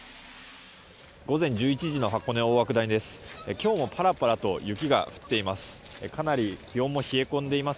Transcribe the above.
午前１１時の箱根大涌谷です。